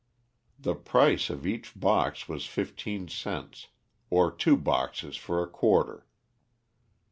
The price of each box was fifteen cents, or two boxes for a quarter.